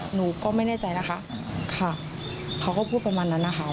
หนูก็ไม่แน่ใจนะคะค่ะเขาก็พูดประมาณนั้นนะคะ